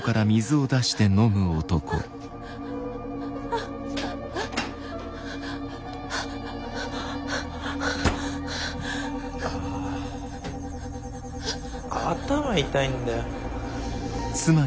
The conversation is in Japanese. あ頭痛いんだよ。